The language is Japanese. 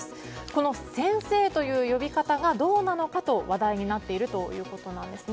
この先生という呼び方がどうなのかと話題になっているということです。